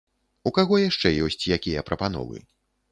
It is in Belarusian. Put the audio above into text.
У каго яшчэ ёсць якія прапановы?